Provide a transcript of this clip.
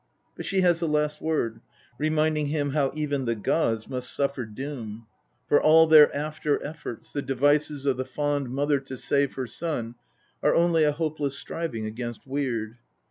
But she has the last word, reminding him how even the gods must suffer Doom ; for all their after efforts, the devices of the fond mother to save her son, are only a hopeless striving against Weird.